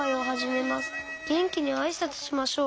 げんきにあいさつしましょう。